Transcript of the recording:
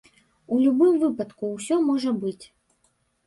У любым выпадку, усё можа быць.